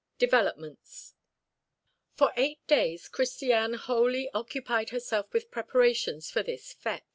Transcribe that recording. Developments For eight days, Christiane wholly occupied herself with preparations for this fête.